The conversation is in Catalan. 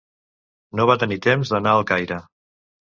No va tenir temps d'anar al Caire.